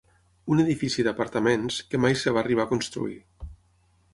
Un edifici d'apartaments, que mai es va arribar a construir.